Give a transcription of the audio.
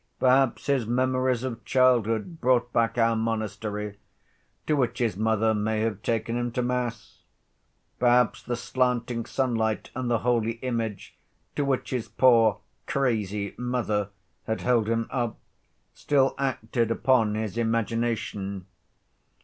" Perhaps his memories of childhood brought back our monastery, to which his mother may have taken him to mass. Perhaps the slanting sunlight and the holy image to which his poor "crazy" mother had held him up still acted upon his imagination.